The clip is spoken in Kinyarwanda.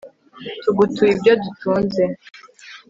tugutuye ibyo dutunze